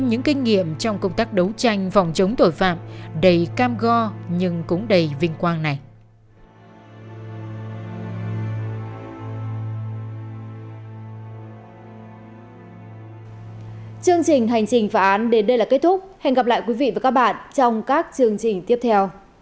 hãy đăng ký kênh để ủng hộ kênh mình nhé